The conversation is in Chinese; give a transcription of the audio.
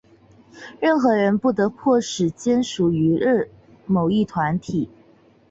任何人不得迫使隶属于某一团体。